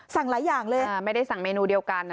สั่งหลายอย่างเลยไม่ได้สั่งเมนูเดียวกันนะ